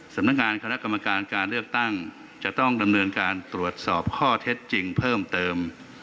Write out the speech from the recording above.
สำนักงานคณะกรรมการการเลือกตั้งจะต้องดำเนินการตรวจสอบข้อเท็จจริงเพิ่มเติม